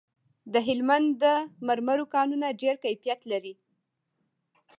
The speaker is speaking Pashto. د هلمند د مرمرو کانونه ډیر کیفیت لري